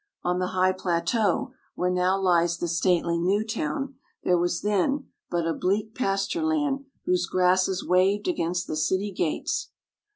On the high plateau where now lies the stately New Town, there was then but a bleak pasture land whose grasses waved against the city gates.